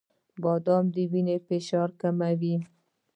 • بادام د وینې فشار کموي.